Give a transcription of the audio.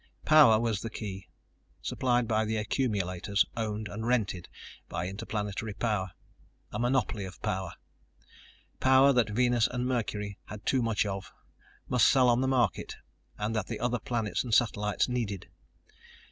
Power was the key, supplied by the accumulators owned and rented by Interplanetary Power. A monopoly of power. Power that Venus and Mercury had too much of, must sell on the market, and that the other planets and satellites needed.